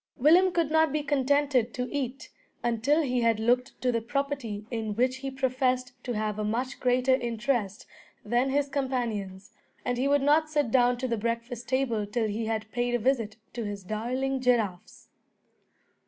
Willem could not be contented to eat, until he had looked to the property in which he professed to have a much greater interest than his companions, and he would not sit down to the breakfast table till he had paid a visit to his darling giraffes.